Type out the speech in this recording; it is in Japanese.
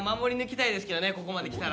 ここまできたら。